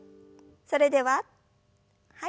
それでははい。